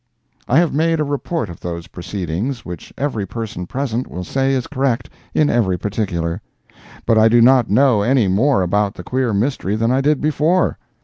I have made a report of those proceedings which every person present will say is correct in every particular. But I do not know any more about the queer mystery than I did before.